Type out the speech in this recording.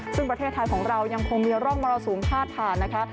ซึ่งประเทศไทยของเรายังคงมีร่องมรสุมพาดผ่านนะคะ